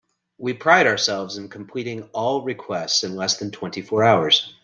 We pride ourselves in completing all requests in less than twenty four hours.